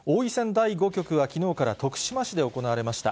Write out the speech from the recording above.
第５局は、きのうから徳島市で行われました。